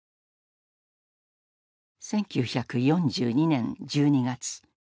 １９４２年１２月。